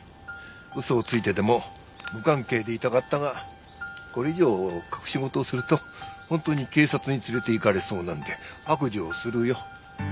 嘘をついてでも無関係でいたかったがこれ以上隠し事をすると本当に警察に連れて行かれそうなんで白状するよ。